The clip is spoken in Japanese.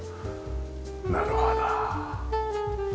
なるほど。